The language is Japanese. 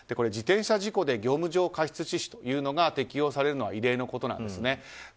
自転車事故で業務上過失致死が適用されるのは異例のことなんですね。